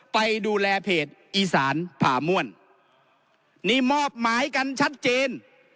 ไปดูแลเพจอีสานผ่าม่วนนี่มอบหมายกันชัดเจน